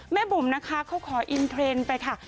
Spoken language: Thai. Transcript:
บุ๋มนะคะเขาขออินเทรนด์ไปค่ะ